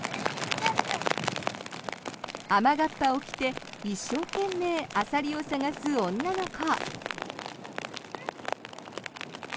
雨がっぱを着て一生懸命アサリを探す女の子。